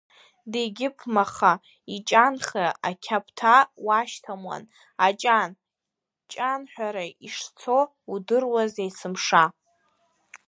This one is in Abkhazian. Дегьыԥмаха иҷанха ақьаԥҭа уашьҭамлан, аҷан, ҷанҳәара ишцо удыруаз есымша.